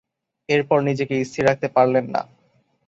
এরপর নিজেকে স্থির রাখতে পারলেন না।